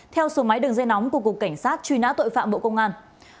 theo số máy đường dây nóng của cục cảnh sát truy nã tội phạm bộ công an